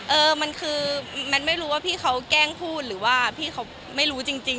เออมันคือมันไม่รู้ว่าพี่เขาแกล้งพูดหรือว่าพี่เขาไม่รู้จริง